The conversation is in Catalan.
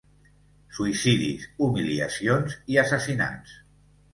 Suïcidis, humiliacions i assassinats.